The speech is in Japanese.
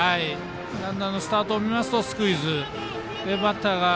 ランナーのスタートを見ますとスクイズ。